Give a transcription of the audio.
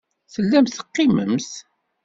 Tellamt teqqimemt.